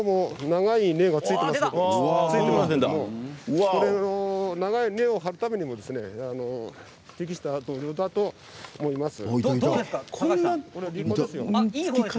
長い根っこを張るためにも適した土壌だと思います。